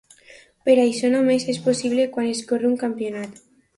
Però això només és possible quan es corre un campionat.